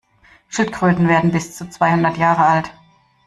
Schildkröten werden bis zu zweihundert Jahre alt.